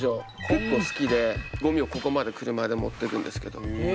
結構好きでゴミをここまで車で持ってくんですけど。